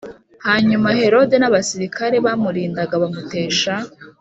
Hanyuma Herode n abasirikare bamurindaga bamutesha